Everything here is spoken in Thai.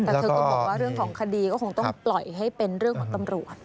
แต่เธอก็บอกว่าเรื่องของคดีก็คงต้องปล่อยให้เป็นเรื่องของตำรวจ